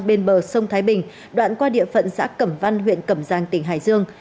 bên bờ sông thái bình đoạn qua địa phận giã cẩm văn huyện cẩm giang tỉnh hải dương